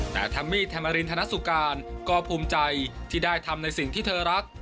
แต่แทมมี่แมรินธนสุการก็ภูมิใจที่ได้ทำในสิ่งที่เธอรัก